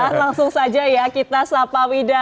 nah langsung saja ya kita sapa wida